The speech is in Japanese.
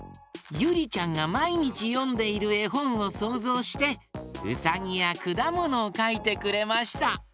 ゆりちゃんがまいにちよんでいるえほんをそうぞうしてうさぎやくだものをかいてくれました。